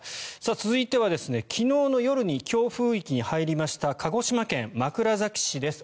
続いては昨日の夜に強風域に入りました鹿児島県枕崎市です。